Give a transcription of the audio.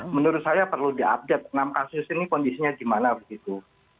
menurut saya perlu diupdate enam kasus ini kondisinya di mana begitu